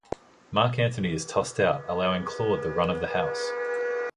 Marc Antony is tossed out, allowing Claude the run of the house.